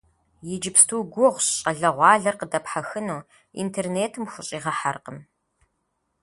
Иджыпсту гугъущ щӏалэгъуалэр къыдэпхьэхыну, интернетым хущӀигъэхьэркъым.